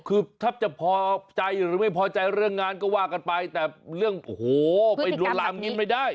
คือแทบจะพอใจหรือไม่พอใจเรื่องงานก็ว่ากันไปแต่เรื่องโอ้โหไปลวนลามอย่างนี้ไม่ได้